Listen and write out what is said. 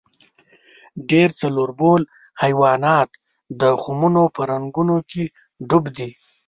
ډېر څلوربول حیوانان د خمونو په رنګونو کې ډوب دي.